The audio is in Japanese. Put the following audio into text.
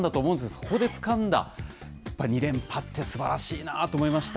そこでつかんだやっぱり２連覇って、すばらしいなと思いました。